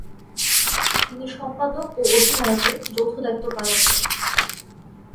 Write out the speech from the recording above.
তিনি সম্পাদক ও অধিনায়কের যৌথ দায়িত্ব পালন করেন।